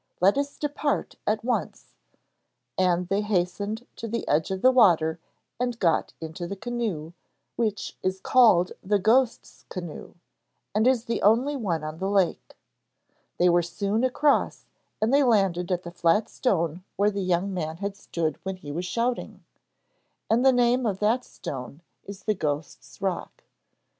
Let us depart at once,' and they hastened to the edge of the water and got into the canoe, which is called the Ghost's Canoe, and is the only one on the lake. They were soon across and they landed at the flat stone where the young man had stood when he was shouting, and the name of that stone is the Ghost's Rock.